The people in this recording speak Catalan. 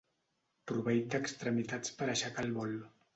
Proveït d'extremitats per aixecar el vol.